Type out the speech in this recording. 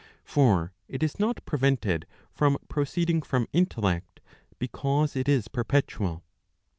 For it is not prevented from proceeding from intellect because it is perpetual.